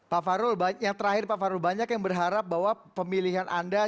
pak farul yang terakhir pak farul banyak yang berharap bahwa pemilihan anda